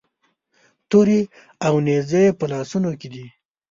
تورې او نیزې یې په لاسونو کې دي.